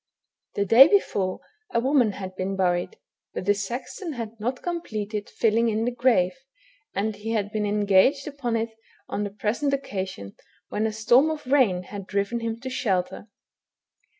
The day before a woman had been buried, but the sexton had not completed filling in the grave, and he had been engaged upon it on the present occasion, when a storm of rain had driven him to shelter.